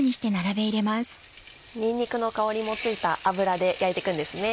にんにくの香りもついた油で焼いて行くんですね。